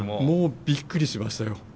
もうびっくりしましたよ。